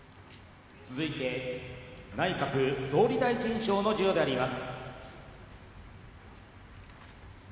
続いて内閣総理大臣賞の授与であります。